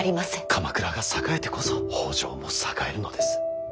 鎌倉が栄えてこそ北条も栄えるのです。